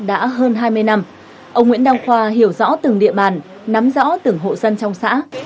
đã hơn hai mươi năm ông nguyễn đăng khoa hiểu rõ từng địa bàn nắm rõ từng hộ dân trong xã